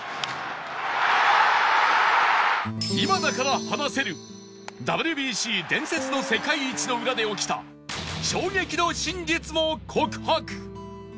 今だから話せる ＷＢＣ 伝説の世界一の裏で起きた衝撃の真実も告白